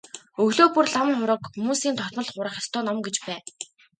Өглөө бүр лам хувраг хүмүүсийн тогтмол хурах ёстой ном гэж байна.